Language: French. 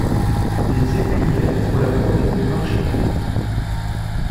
Des écuyères font la promesse de marcher.